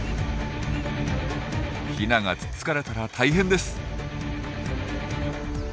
ヒナがつつかれたら大変です。